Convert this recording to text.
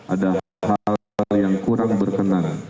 ada hal yang kurang berkenan